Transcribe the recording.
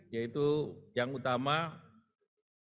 yaitu yang pertama daging sapi